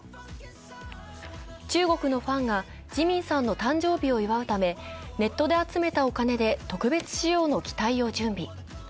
中国のファンがＪＩＭＩＮさんの誕生日を祝うためネットで集めたお金で特別仕様の機体を準備。